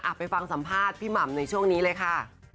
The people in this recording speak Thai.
ไปฟังสัมภาษณ์พี่หม่ำในช่วงนี้เลยค่ะ